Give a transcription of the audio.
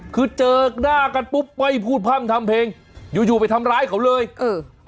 คือเจอหน้ากันปุ๊บไม่พูดพร่ำทำเพลงอยู่อยู่ไปทำร้ายเขาเลยเออ